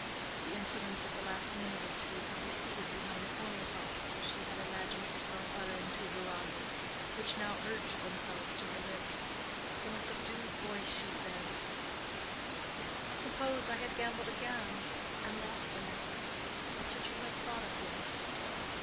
The incidents of the last minute or two had receded behind former thoughts which she had imagined herself uttering to Deronda, which now urged themselves to her lips. In a subdued voice, she said, "Suppose I had gambled again, and lost the necklace again, what should you have thought of me?"